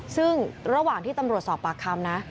ซึ่งระหว่างที่ตำรวจสอบปากคำนะ